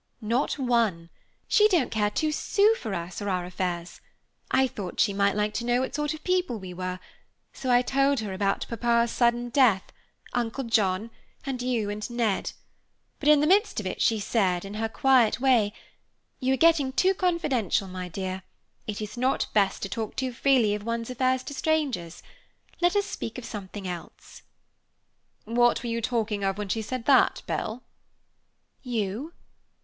"Not one. She don't care two sous for us or our affairs. I thought she might like to know what sort of people we were, so I told her about Papa's sudden death, Uncle John, and you, and Ned; but in the midst of it she said, in her quiet way, 'You are getting too confidential, my dear. It is not best to talk too freely of one's affairs to strangers. Let us speak of something else.'" "What were you talking of when she said that, Bell?" "You."